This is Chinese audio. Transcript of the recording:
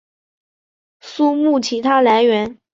书目其它来源